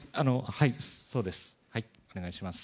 はい、お願いします。